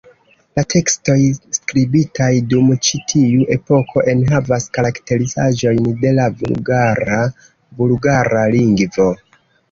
La tekstoj skribitaj dum ĉi tiu epoko enhavas karakterizaĵojn de la vulgara bulgara lingvo.